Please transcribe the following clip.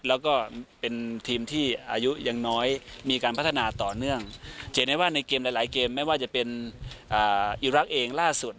แล้วก็เพื่อนทีมที่อายุยังน้อยมีการพัฒนาต่อเนื่อง